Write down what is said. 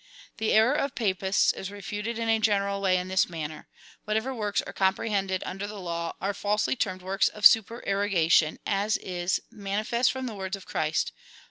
The error of Papists is refuted in a general way in this manner : Whatever works are comprehended under the law, are falsely termed works of supererogation, as is mani fest from the v,^ords of Christ.